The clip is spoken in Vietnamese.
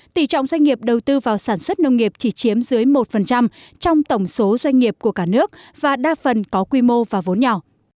tỷ trọng doanh nghiệp đầu tư vào sản xuất nông nghiệp chỉ chiếm dưới một trong tổng số doanh nghiệp của cả nước và đa phần có quy mô và vốn nhỏ